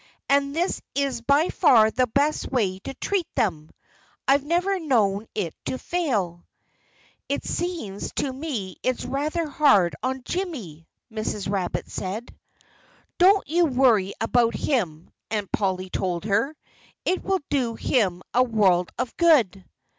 "And this is by far the best way to treat them. I've never known it to fail." "It seems to me it's rather hard on Jimmy," Mrs. Rabbit said. "Don't you worry about him!" Aunt Polly told her. "It will do him a world of good."